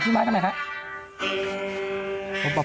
ขอมาเหมือนกันไหม